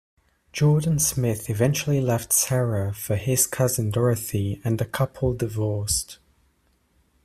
Jordan-Smith eventually left Sarah for his cousin Dorothy and the couple divorced.